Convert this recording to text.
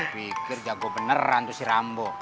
pikir jago beneran tuh si rambo